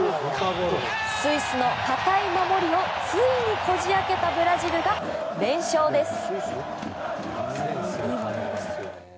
スイスの堅い守りをついにこじ開けたブラジルが連勝です。